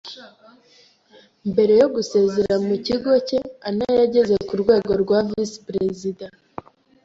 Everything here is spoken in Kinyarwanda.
Mbere yo gusezera mu kigo cye, Anna yageze ku rwego rwa visi perezida.